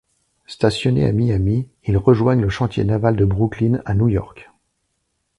Stationnés à Miami, ils rejoignent le chantier naval de Brooklyn à New York.